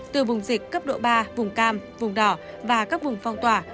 từ vùng dịch cấp độ ba vùng cam vùng đỏ và các vùng phong tỏa